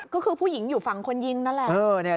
ก็คือผู้หญิงอยู่ฝั่งคนยิงนั่นแหละ